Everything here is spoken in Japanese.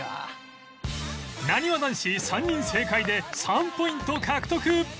なにわ男子３人正解で３ポイント獲得